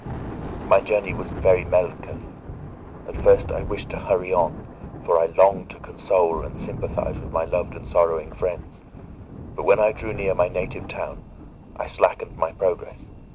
My journey was very melancholy. At first I wished to hurry on, for I longed to console and sympathise with my loved and sorrowing friends; but when I drew near my native town, I slackened my progress.